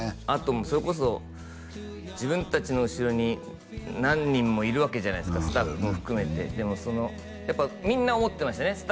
あともうそれこそ自分達の後ろに何人もいるわけじゃないですかスタッフも含めてでもそのやっぱみんな思ってましたね